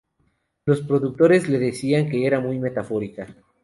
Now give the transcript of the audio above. Los productores le decían que era muy metafórica.